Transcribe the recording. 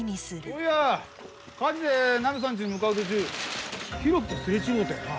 そういや火事でナミさんちに向かう途中浩喜とすれ違うたよな？